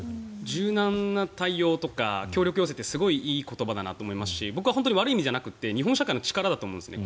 柔軟な対応とか協力要請ってすごくいい言葉だなと思いますし僕は悪い意味じゃなくて日本社会の力だと思うんですね。